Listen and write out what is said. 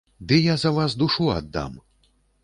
Ды я за вас душу аддам!